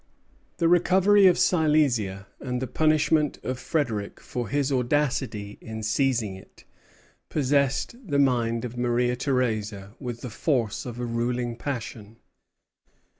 The recovery of Silesia and the punishment of Frederic for his audacity in seizing it, possessed the mind of Maria Theresa with the force of a ruling passion.